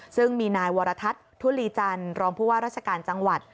ซึ่งมีนายวรทัศน์ทุลีจันทร์รองผู้ว่าราชการจังหวัด